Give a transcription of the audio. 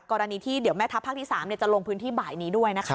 กรณีที่เดี๋ยวแม่ทัพภาคที่๓จะลงพื้นที่บ่ายนี้ด้วยนะคะ